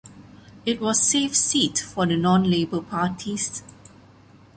It was safe seat for the non-Labor parties.